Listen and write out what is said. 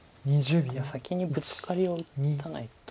いや先にブツカリを打たないと。